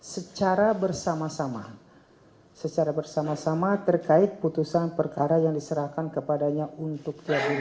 secara bersama sama terkait putusan perkara yang diserahkan kepadanya untuk terhubung